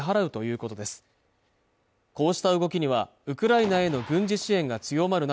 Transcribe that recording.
こうした動きにはウクライナへの軍事支援が強まる中